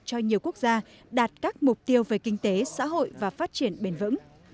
cho nhiều quốc gia đạt các mục tiêu về kinh tế xã hội và phát triển bền vững